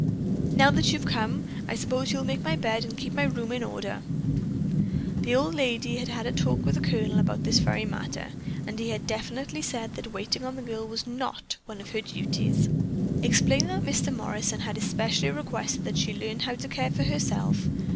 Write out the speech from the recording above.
Now that you've come, I suppose you'll make my bed and keep my room in order." The old lady had had a talk with the Colonel about this very matter, and he had definitely said that waiting on the girl was not one of her duties, explaining that Mr. Morrison had especially requested that she learn how to care for herself.